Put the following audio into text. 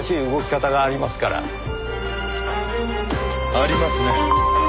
ありますね。